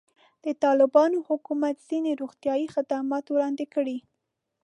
د طالبانو حکومت ځینې روغتیایي خدمات وړاندې کړي.